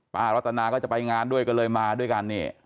รัตนาก็จะไปงานด้วยก็เลยมาด้วยกันนี่